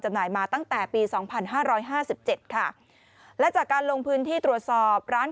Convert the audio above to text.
จำหน่ายมาตั้งแต่ปี๒๕๕๗ค่ะและจากการลงพื้นที่ตรวจสอบร้าน